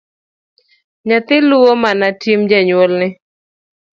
Nyathi luwo mana tim janyuolne.